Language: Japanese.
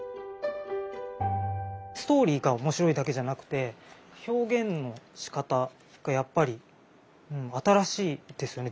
ストーリーが面白いだけじゃなくて表現のしかたがやっぱり新しいですよね